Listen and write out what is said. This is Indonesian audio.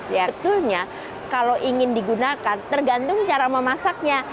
sebetulnya kalau ingin digunakan tergantung cara memasaknya